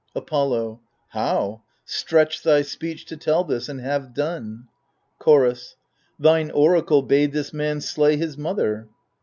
Apollo How ? stretch thy speech to tell this, and have done. Chorus Thine oracle bade this man slay his mother.